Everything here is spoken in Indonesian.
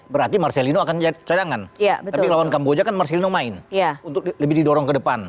berarti marcelino akan cari cadangan tapi lawan kamboja kan marcelino main